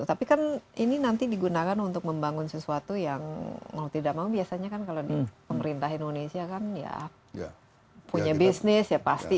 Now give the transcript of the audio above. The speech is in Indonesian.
tapi kan ini nanti digunakan untuk membangun sesuatu yang mau tidak mau biasanya kan kalau di pemerintah indonesia kan ya punya bisnis ya pasti